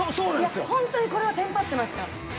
いやほんとにこれはテンパってました。